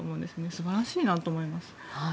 素晴らしいなと思います。